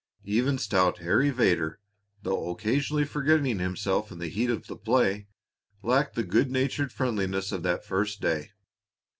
Even stout Harry Vedder, though occasionally forgetting himself in the heat of play, lacked the good natured friendliness of that first day.